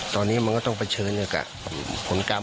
ตอนนี้มันก็ต้องเผชิญอยู่กับผลกรรม